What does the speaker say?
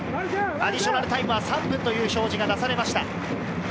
アディショナルタイムは３分という表示が出されました。